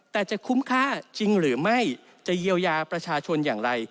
แต่จะคุ้มค่าจริงหรือไม่จะเยียวยาประชาชนอย่างไร